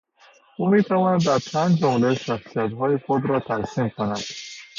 او میتواند در چند جمله شخصیتهای خود را ترسیم کند.